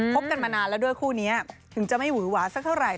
บกันมานานแล้วด้วยคู่นี้ถึงจะไม่หือหวาสักเท่าไหร่